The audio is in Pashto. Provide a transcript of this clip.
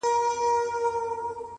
قافلې پر لويو لارو لوټېدلې!.